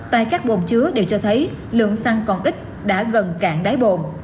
tại các bồn chứa đều cho thấy lượng xăng còn ít đã gần cạn đáy bồn